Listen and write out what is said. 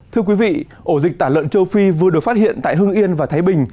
thưa quý vị ổ dịch tả lợn châu phi vừa được phát hiện tại hưng yên và thái bình